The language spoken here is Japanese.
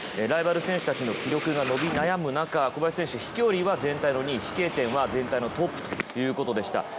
ライバル選手たちの記録が伸び悩む中小林選手、飛距離は全体の２位飛型点は全体のトップということでした。